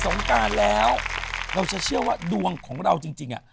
งการแล้วเราจะเชื่อว่าดวงของเราจริงอ่ะ